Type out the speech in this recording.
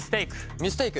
ミステイク。